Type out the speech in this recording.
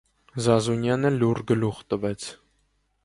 Զազունյանը լուռ գլուխ տվեց: